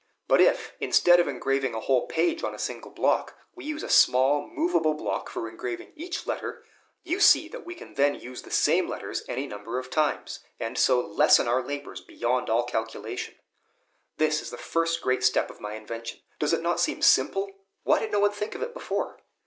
But if, instead of engraving a whole page on a solid block, we use a small movable block for engraving each letter, you see that we can then use the same letters any number of times, and so lessen our labors beyond all calculation. This is the first great step of my invention. Does it not seem simple? Why did no one think of it before?"